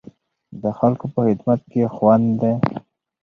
د خلکو په خدمت کې خوند دی.